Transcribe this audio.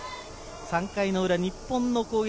３回の裏、日本の攻撃。